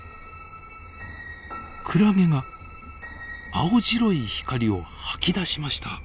クラゲが青白い光を吐き出しました。